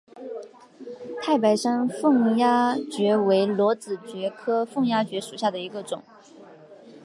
太白山凤丫蕨为裸子蕨科凤丫蕨属下的一个种。